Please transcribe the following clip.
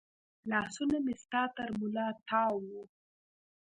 لاسونه مې ستا تر ملا تاو و